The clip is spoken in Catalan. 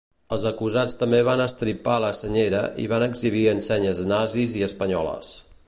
Els acusats també van estripar la senyera i van exhibir ensenyes nazis i espanyoles.